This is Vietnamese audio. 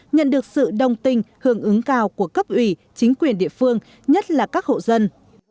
nhận được sự đồng tình hưởng ứng cao của cấp ủy chính quyền địa phương nhất là các hộ dân